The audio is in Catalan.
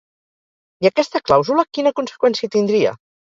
I aquesta clàusula quina conseqüència tindria?